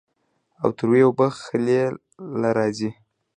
او تروې اوبۀ خلې له راځي